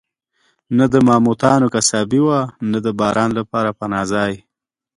نه د ماموتانو قصابي وه، نه د باران لپاره پناه ځای.